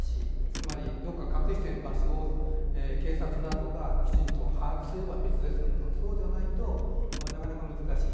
つまり、どこか隠している場所を警察などがきちんと把握すれば別ですがそうじゃないとなかなか難しい。